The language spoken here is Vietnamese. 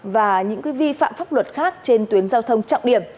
và những vi phạm pháp luật khác trên tuyến giao thông trọng điểm